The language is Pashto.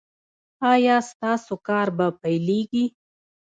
ایا ستاسو کار به پیلیږي؟